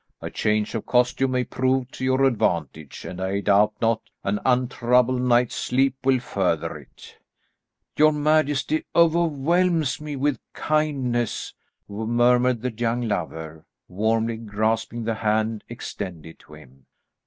A change of costume may prove to your advantage, and I doubt not an untroubled night's sleep will further it." "Your majesty overwhelms me with kindness," murmured the young lover, warmly grasping the hand extended to him.